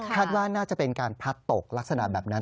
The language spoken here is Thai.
ว่าน่าจะเป็นการพัดตกลักษณะแบบนั้น